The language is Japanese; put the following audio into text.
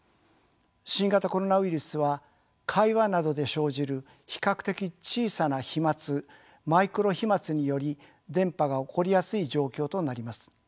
新型コロナウイルスは会話などで生じる比較的小さな飛まつマイクロ飛まつにより伝播が起こりやすい状況となります。